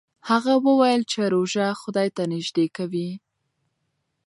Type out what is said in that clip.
هغه وویل چې روژه خدای ته نژدې کوي.